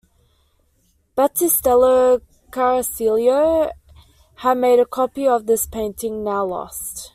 Battistello Caracciolo had made a copy of this painting, now lost.